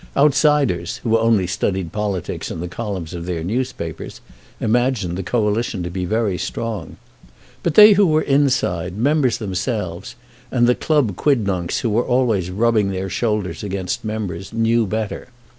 Outsiders, who only studied politics in the columns of their newspapers, imagined the Coalition to be very strong. But they who were inside, members themselves, and the club quidnuncs who were always rubbing their shoulders against members, knew better.